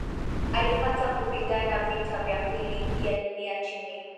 Alipata kupigana vita ya pili ya dunia chini